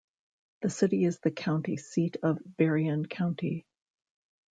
The city is the county seat of Berrien County.